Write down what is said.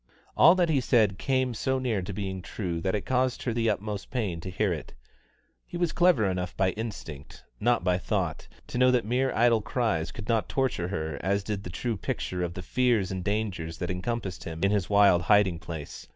All that he said came so near to being true that it caused her the utmost pain to hear it. He was clever enough by instinct, not by thought, to know that mere idle cries could not torture her as did the true picture of the fears and dangers that encompassed him in his wild hiding place.